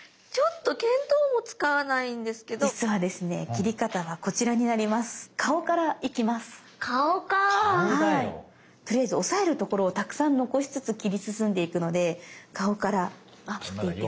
とりあえず押さえるところをたくさん残しつつ切り進んでいくので顔から切っていって下さい。